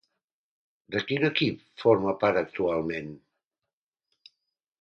De quin equip forma part actualment?